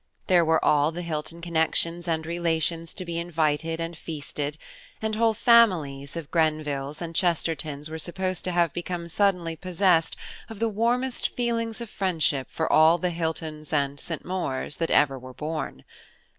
There were all the Hilton connections and relations to be invited and feasted, and whole families of Grenvilles and Chestertons were supposed to have become suddenly possessed of the warmest feelings of friendship for all the Hiltons and St. Maurs that ever were born.